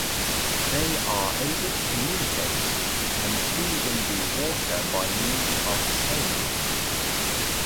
They are able to communicate and see in the water by means of sonar.